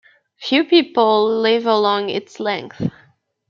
Few people live along its length.